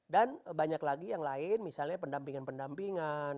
dan banyak lagi yang lain misalnya pendampingan pendampingan